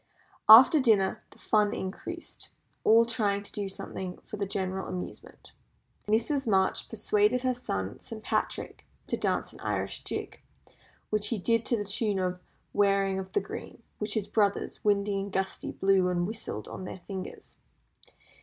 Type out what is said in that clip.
After dinner the fun increased, all trying to do something for the general amusement. Mrs. March persuaded her son, St. Patrick, to dance an Irish Jig, which he did to the tune of the "Wearing of the Green," which his brothers, Windy and Gusty, blew and whistled on their fingers.